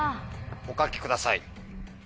お書きください。